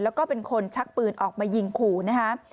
แล้วก็เป็นคนชักปืนออกมายิงขู่นะครับ